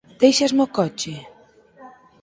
Déixasme o coche?